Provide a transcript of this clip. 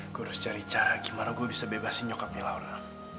aku harus cari cara bagaimana saya bisa bebas nyokapnya laura